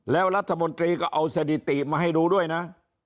แล้วรัฐมนตรีก็เอาสถิติมาให้ดูด้วยนะ